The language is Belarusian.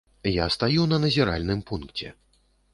Я стаю на назіральным пункце.